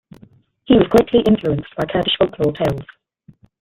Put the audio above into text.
He was greatly influenced by Kurdish folklore tales.